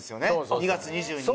２月２２日。